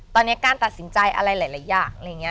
ตอนนี้การตัดสินใจอะไรหลายอย่าง